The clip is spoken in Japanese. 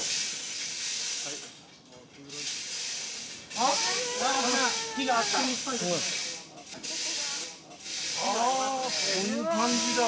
・ああこういう感じだ